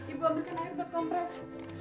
ibu ambilkan air buat kompres